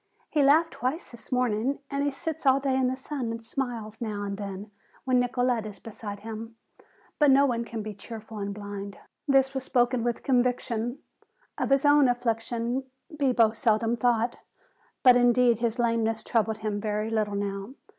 "He laughed twice this morning and he sits all day in the sun and smiles now and then when Nicolete is beside him. But no one can be cheerful and blind." This was spoken with conviction. Of his own affliction Bibo seldom thought, but indeed his lameness troubled him very little now.